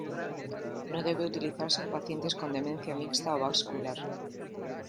No debe utilizarse en pacientes con demencia mixta o vascular.